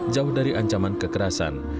jauh dari ancaman kekerasan